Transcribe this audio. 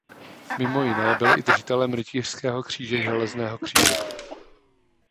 Mimo jiné byl i držitelem Rytířského kříže železného kříže.